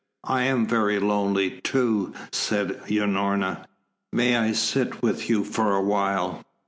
"I am very lonely, too," said Unorna. "May I sit with you for a while?"